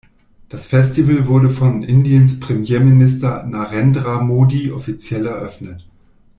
Das Festival wurde von Indiens Premierminister Narendra Modi offiziell eröffnet.